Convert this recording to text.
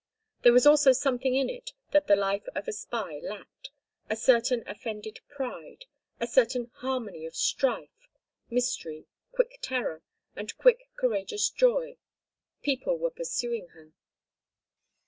There was also something in it that the life of a spy lacked—a certain offended pride, a certain harmony of strife, mystery, quick terror, and quick, courageous joy. People were pursuing her.